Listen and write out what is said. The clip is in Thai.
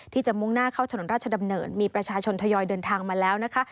ที่จะมุ่งหน้าเข้าถนนราชดำเนินมีประชาชนทยอยเดินทางมาแล้วนะคะ